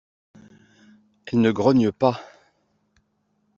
Elles ne grognent pas.